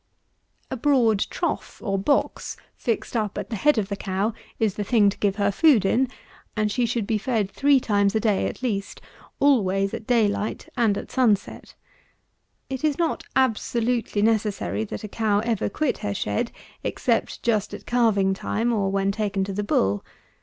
A broad trough, or box, fixed up at the head of the cow, is the thing to give her food in; and she should be fed three times a day, at least; always at day light and at sun set. It is not absolutely necessary that a cow ever quit her shed, except just at calving time, or when taken to the bull.